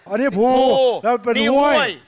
อันนี้ภูแล้วเป็นกล้วย